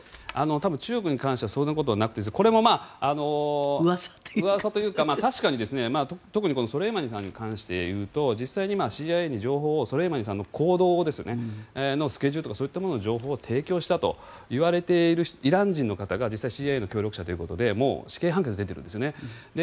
多分、中国に関してはそんなことはなくてこれもうわさというか確かにソレイマニさんに関して言うと実際にＣＩＡに情報をソレイマニさんの行動のスケジュールとかそういったものの情報を提供したといわれているイラン人の方が実際、ＣＩＡの協力者ということで死刑判決が出ているんですよね。